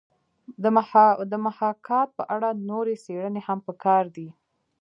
د محاکات په اړه نورې څېړنې هم پکار دي